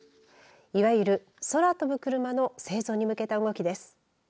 いわゆる空飛ぶクルマの製造に向けた動きです。